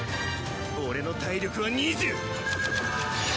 俺の体力は２０！